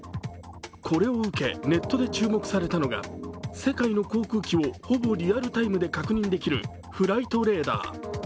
これを受けネットで注目されたのが世界の航空機をほぼリアルタイムで確認できるフライトレーダー。